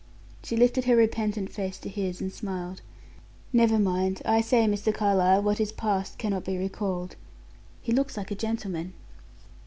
She lifted her repentant face to his and smiled. "Never mind, I say, Mr. Carlyle; what is past cannot be recalled. He looks like a gentleman."